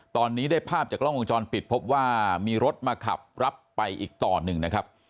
ตอนนี้ได้ภาพจากกล้องวงจรปิดพบว่ามีรถมาขับรับไปอีกต่อหนึ่งนะครับ